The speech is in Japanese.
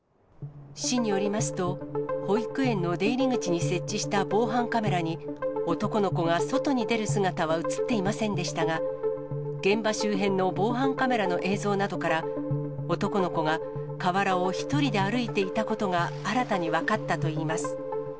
市によりますと、保育園の出入り口に設置した防犯カメラに、男の子が外に出る姿は写っていませんでしたが、現場周辺の防犯カメラの映像などから、男の子が河原を１人で歩いていたことが新たに分かったといいます。